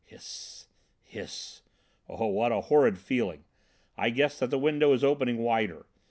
Hiss hiss! Oh, what a horrid feeling! I guess that the window is opening wider.